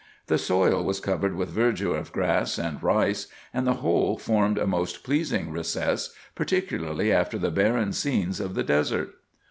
The soil was covered with verdure of grass and rice, and the whole formed a most pleasing recess, particularly after the barren scenes of the desert.